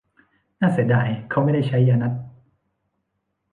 น่าเสียดายเขาไม่ได้ใช้ยานัตถ์